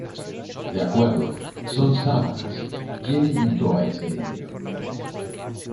De acuerdo, son sábanas. ¿ quién invitó a ese niño?